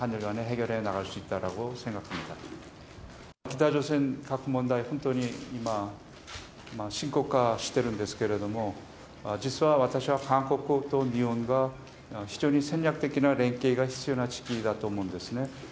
北朝鮮核問題、本当に今、深刻化してるんですけれども、実は私は、韓国と日本が非常に戦略的な連携が必要な時期だと思うんですね。